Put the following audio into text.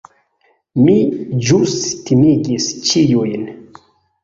Mi ĵus timigis ĉiujn.